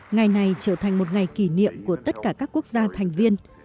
ngày này trở thành một ngày kỷ niệm của tất cả các quốc gia thành viên